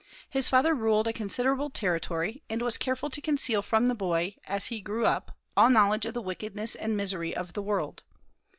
His father ruled a considerable territory, and was careful to conceal from the boy, as he grew up, all knowledge of the wickedness and misery of the world.